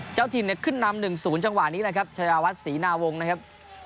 เจ้าถิ่นขึ้นนำหนึ่งศูนย์จังหวะนี้นะครับชายวัดศรีหนาวงศ์นะครับ